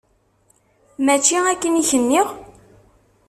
Mačči akken i k-nniɣ?